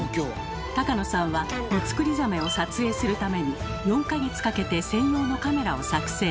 高野さんはミツクリザメを撮影するために４か月かけて専用のカメラを作製。